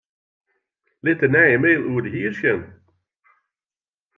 Lit de nije mail oer de hier sjen.